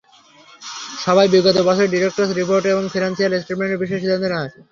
সভায় বিগত বছরের ডিরেক্টরস রিপোর্ট এবং ফিন্যান্সিয়াল স্টেটমেন্টের বিষয়ে সিদ্ধান্ত নেওয়া হয়।